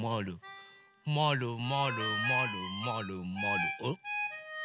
まるまるまるまるまるおっ。